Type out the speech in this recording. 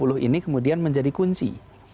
u dua puluh ini kemudian menjadi kunci